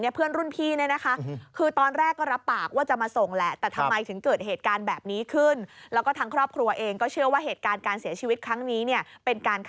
น้องหญิงคือคนเสียชีวิตครับ